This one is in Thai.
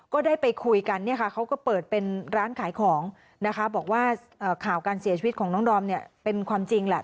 ก็ได้ไปคุยกันเนี่ยค่ะเขาก็เปิดเป็นร้านขายของนะคะบอกว่าข่าวการเสียชีวิตของน้องดอมเนี่ยเป็นความจริงแหละ